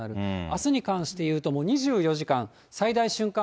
あすに関していうと、もう２４時間最大瞬間